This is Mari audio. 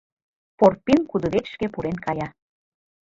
Порпин кудывечышке пурен кая.